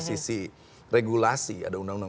sisi regulasi ada undang undang